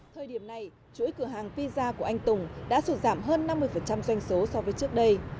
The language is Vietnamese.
thời điểm này chuỗi cửa hàng pizza của anh tùng đã sụt giảm hơn năm mươi doanh số so với trước đây